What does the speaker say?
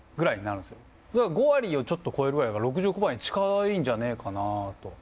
５割をちょっと超えるぐらいだから６５％に近いんじゃねえかなと。